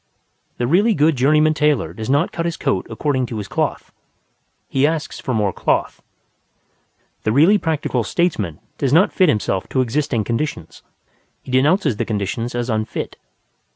The really good journeyman tailor does not cut his coat according to his cloth; he asks for more cloth. The really practical statesman does not fit himself to existing conditions, he denounces the conditions as unfit.